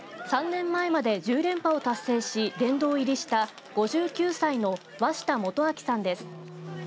３年前まで１０連覇を達成し殿堂入りした５９歳の鷲田基章さんです。